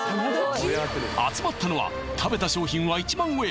集まったのは食べた商品は１万超え